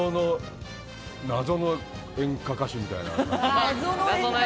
謎の演歌歌手みたいな。